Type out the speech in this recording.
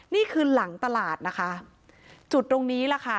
นี่คือหลังตลาดนะคะจุดตรงนี้แหละค่ะ